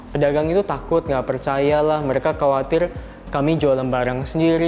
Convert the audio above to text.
pedagang itu takut nggak percaya lah mereka khawatir kami jualan barang sendiri